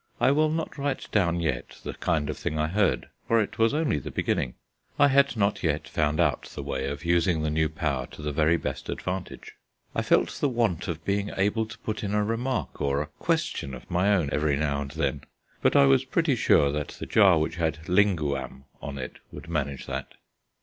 I will not write down yet the kind of thing I heard, for it was only the beginning. I had not yet found out the way of using the new power to the very best advantage. I felt the want of being able to put in a remark or a question of my own every now and then. But I was pretty sure that the jar which had linguam on it would manage that.